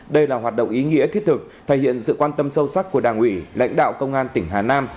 đây là hoạt động ý nghĩa thiết thực thể hiện sự quan tâm sâu sắc của đảng ủy lãnh đạo công an tỉnh hà nam